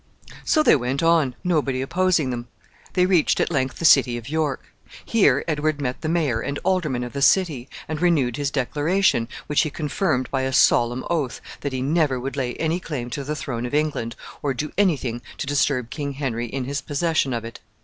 So they went on, nobody opposing them. They reached, at length, the city of York. Here Edward met the mayor and aldermen of the city, and renewed his declaration, which he confirmed by a solemn oath, that he never would lay any claim to the throne of England, or do any thing to disturb King Henry in his possession of it.